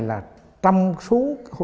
là trăm số